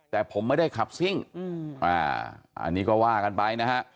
แต่ผมไม่ได้ขับซิ่งอันนี้ก็ว่ากันไปนะฮะ